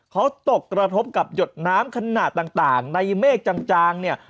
เขาตกกระทบกับหยดน้ำขนาดต่างในเมฆจางเนี่ย